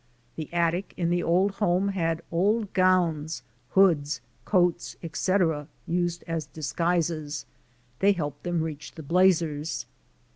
'* The attic in the old home had old gowns, hoods, coats, etc., used as disguises. They helped them reach the Blazers.